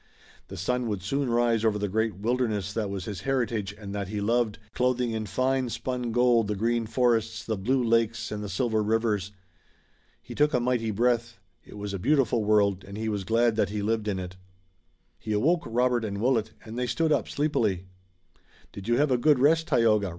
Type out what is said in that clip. The sun would soon rise over the great wilderness that was his heritage and that he loved, clothing in fine, spun gold the green forests, the blue lakes and the silver rivers. He took a mighty breath. It was a beautiful world and he was glad that he lived in it. He awoke Robert and Willet, and they stood up sleepily. "Did you have a good rest, Tayoga?"